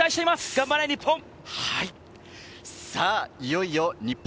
頑張れ日本！